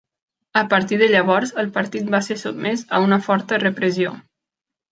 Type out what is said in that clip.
A partir de llavors, el partit va ser sotmès a una forta repressió.